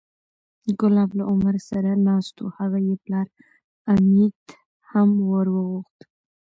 کلاب له عمر سره ناست و هغه یې پلار امیة هم وورغوښت،